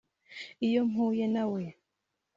“Iyo mpuye na we